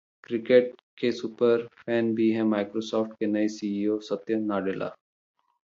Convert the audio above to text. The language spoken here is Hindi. क्रिकेट के सुपर फैन भी हैं माइक्रोसॉफ्ट के नए सीईओ सत्य नाडेला